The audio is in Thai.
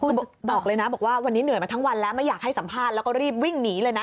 ช่วงนี้เหนื่อยมาทั้งวันแล้วไม่อยากให้สัมภาษณ์แล้วก็รีบวิ่งหนีเลยนะ